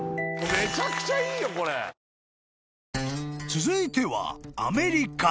［続いては］